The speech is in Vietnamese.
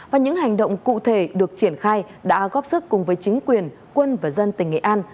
và những hành động cụ thể được triển khai đã góp sức cùng với chính quyền quân và dân tỉnh nghệ an